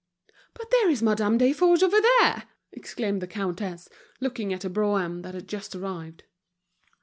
"But there's Madame Desforges over there!" exclaimed the countess, looking at a brougham that had just arrived.